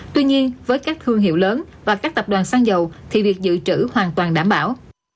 tuy nhiên với các thương hiệu lớn và các tập đoàn xăng dầu thì việc dự trữ hoàn toàn đảm bảo